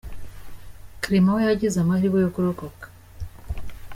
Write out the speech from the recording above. Clément we yagize amahirwe yo kurokoka.